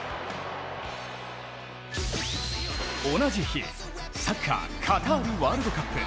同じ日、サッカーカタールワールドカップ。